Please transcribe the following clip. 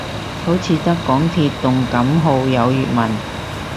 好似得港鐵動感號有粵文